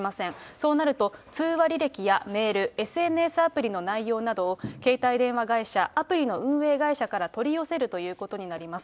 そうなると、通話履歴やメール、ＳＮＳアプリの内容などを携帯電話会社、アプリの運営会社から取り寄せるということになります。